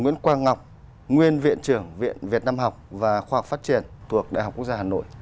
nguyễn quang ngọc nguyên viện trưởng viện việt nam học và khoa học phát triển thuộc đại học quốc gia hà nội